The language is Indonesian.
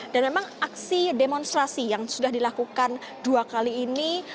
dan memang aksi demonstrasi yang sudah dilakukan dua kali ini